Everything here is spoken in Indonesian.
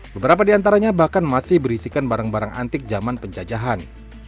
beberapa di antaranya bahkan masih berisikan barang barang antik zaman penjajahan